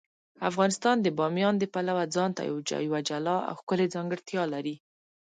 افغانستان د بامیان د پلوه ځانته یوه جلا او ښکلې ځانګړتیا لري.